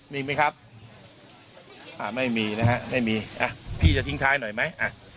มีไหมครับไม่มีนะฮะไม่มีอ่ะพี่จะทิ้งท้ายหน่อยไหม